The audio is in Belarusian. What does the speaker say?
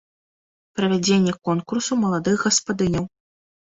Правядзенне конкурсу маладых гаспадыняў.